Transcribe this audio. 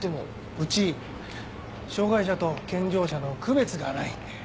うち障がい者と健常者の区別がないんで。